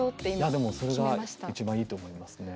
でもそれが一番いいと思いますね。